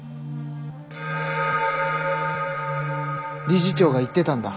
理事長が言ってたんだ。